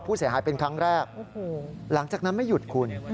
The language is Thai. ผู้เสียหายเป็นครั้งแรกหลังจากนั้นไม่หยุดคุณ